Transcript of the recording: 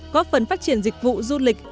có phần phát triển dịch vụ du lịch